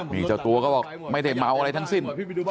นี่เจ้าตัวก็บอกไม่ได้เมาอะไรทั้งสิ้น